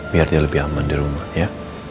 biar dia lebih aman di rumah ya